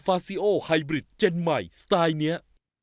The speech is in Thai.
อย่างเดียวต้องจะเป็นตัวใหญ่ไหมสไตล์เนี้ย